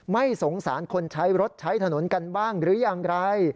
ไม่สงสารคนใช้รถใช้ถนนกันบ้างหรืออย่างไร